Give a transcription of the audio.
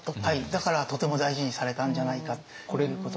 だからとても大事にされたんじゃないかっていうことを。